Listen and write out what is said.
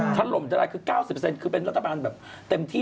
ทันลมจะลาย๙๐เป็นรัฐบาลแบบเต็มที่๙๐